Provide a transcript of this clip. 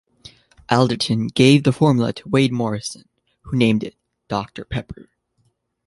Alderton gave the formula to Wade Morrison, who named it Doctor Pepper.